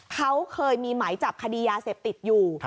เขาเคยมีหมายจับคดียาเสพติดอยู่